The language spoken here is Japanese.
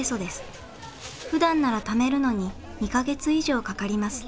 ふだんなら貯めるのに２か月以上かかります。